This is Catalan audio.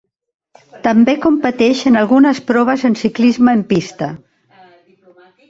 També competeix en algunes proves en ciclisme en pista.